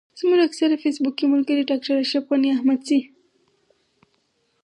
زموږ اکثره فېسبوکي ملګري ډاکټر اشرف غني احمدزی.